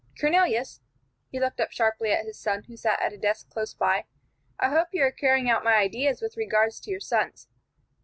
Cornelius," he looked up sharply at his son, who sat at a desk close by, "I hope you are carrying out my ideas with regard to your sons.